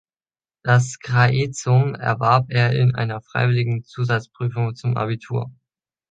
Das Graecum erwarb er in einer freiwilligen Zusatzprüfung zum Abitur.